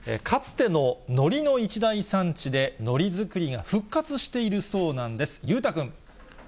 かつてののりの一大産地で、のり作りが復活しているそうなんです。